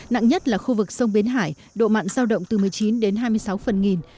nặng nhất là khu vực sông bến hải độ mặn giao động từ một mươi chín đến hai mươi sáu phần nghìn